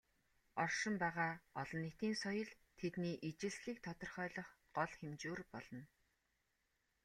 Оршин байгаа "олон нийтийн соёл" тэдний ижилслийг тодорхойлох гол хэмжүүр болно.